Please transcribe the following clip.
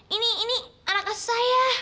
ini ini anak khas saya